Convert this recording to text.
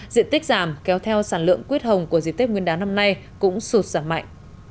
diện tích giảm kéo theo sản lượng quyết hồng của dịp tết nguyên đá năm nay cũng sụt giảm mạnh